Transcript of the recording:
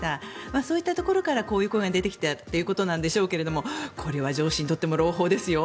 そういったところからこういった声が出てきたということでしょうけどもこれは上司にとっても朗報ですよ。